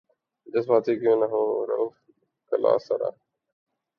جذباتی کیوں نہ ہوں رؤف کلاسرا